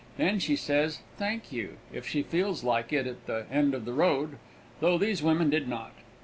Then she says "Thank you," if she feels like it at the end of the road, though these women did not.